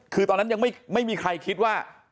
คือตอนนั้นยังไม่มีใครคิดว่า